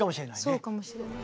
そうかもしれない。